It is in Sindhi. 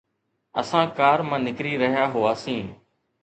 اسان ڪار مان نڪري رهيا هئاسين